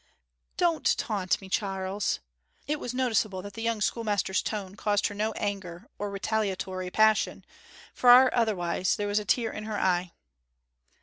'Don't taunt me, Charles.' It was noticeable that the young schoolmaster's tone caused her no anger or retaliatory passion; far otherwise: there was a tear in her eye.